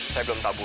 saya belum tahu bu